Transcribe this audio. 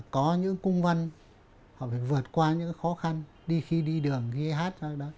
có những cung văn họ phải vượt qua những khó khăn đi khi đi đường khi hát